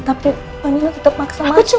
tapi pani lo tetep maksa masuk